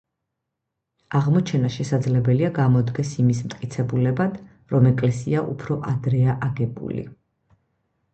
აღმოჩენა შესაძლებელია გამოდგეს იმის მტკიცებულებად, რომ ეკლესია უფრო ადრეა აგებული.